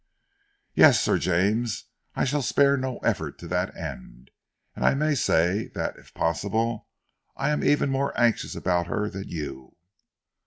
"Yes, Sir James! I shall spare no effort to that end, and I may say that, if possible, I am even more anxious about her than you."